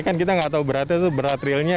kan kita nggak tahu beratnya itu berat realnya